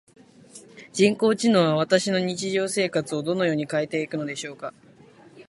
人工知能は私の日常生活をどのように変えていくのでしょうか？